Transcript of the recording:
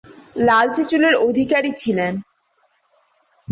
লালচে চুলের অধিকারী ছিলেন।